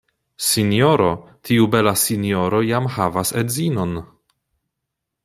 Sinjoro, tiu bela sinjoro jam havas edzinon!